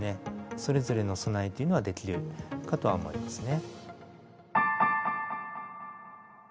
それぞれの備えというのはできるかとは思いますね。